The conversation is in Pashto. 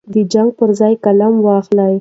د جنګ پر ځای قلم واخلئ.